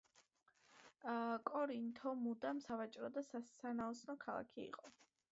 კორინთო მუდამ სავაჭრო და სანაოსნო ქალაქი იყო.